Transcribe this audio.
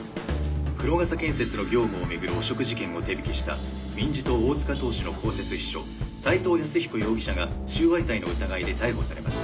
黒傘建設の業務を巡る汚職事件を手引きした民事党大塚党首の公設秘書斉藤靖彦容疑者が収賄罪の疑いで逮捕されました